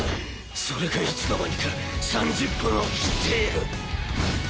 それがいつの間にか３０分を切っている。